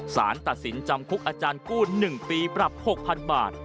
สารตัดสินจำคุกอาจารย์กู้๑ปีปรับ๖๐๐๐บาท